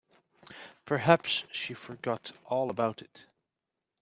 Perhaps she forgot all about it.